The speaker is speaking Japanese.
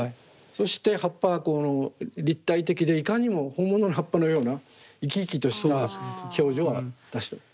そして葉っぱがこの立体的でいかにも本物の葉っぱのような生き生きとした表情を出してます。